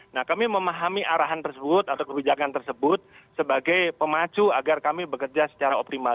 nah kami memahami arahan tersebut atau kebijakan tersebut sebagai pemacu agar kami bekerja secara optimal